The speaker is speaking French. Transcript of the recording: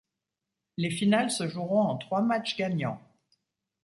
Les finales se joueront en trois matchs gagnants.